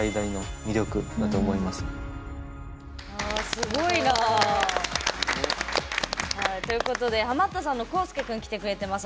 すごいな。ということでハマったさんのコウスケ君来てくれてます。